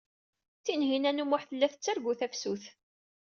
Tinhinan u Muḥ tella tettargu tafsut.